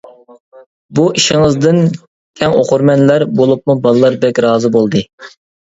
بۇ ئىشىڭىزدىن كەڭ ئوقۇرمەنلەر، بولۇپمۇ بالىلار بەك رازى بولدى.